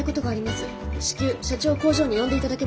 至急社長を工場に呼んで頂けますか？